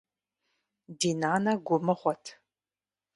Ди нанэ гу мыгъуэт.